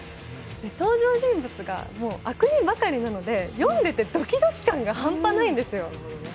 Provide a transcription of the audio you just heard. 登場人物がもう悪人ばかりなので読んでいて、ドキドキ感が半端ないんですよ。